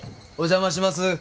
お邪魔します。